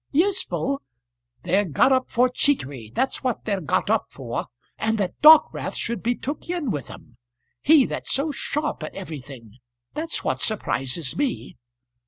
"Useful! They're got up for cheatery; that's what they're got up for. And that Dockwrath should be took in with 'em he that's so sharp at everything, that's what surprises me.